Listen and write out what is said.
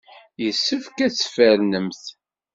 Yessefk ad tfernemt.